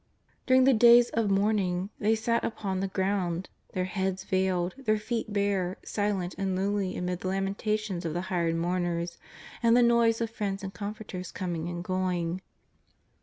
During the days of mourning they sat upon the ground, their heads veiled, their feet bare, silent and lonely amid the lamentations of the hired mourners and the noise of friends and comforters coming and going.